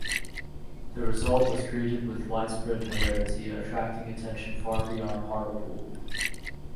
The result was greeted with widespread hilarity, attracting attention far beyond Hartlepool.